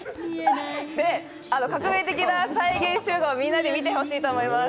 革命的な再現をみんなで見てほしいと思います。